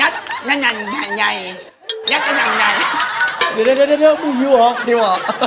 เดี๋ยวเมื่อยู่หรอ